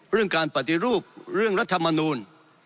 เรื่องการปฏิรูปเรื่องรัฐมนูล